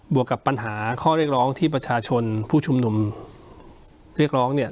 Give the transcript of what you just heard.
วกกับปัญหาข้อเรียกร้องที่ประชาชนผู้ชุมนุมเรียกร้องเนี่ย